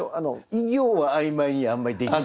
医業は曖昧にあんまりできない。